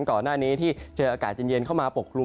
ก่อนหน้านี้ที่เจออากาศเย็นเข้ามาปกกลุ่ม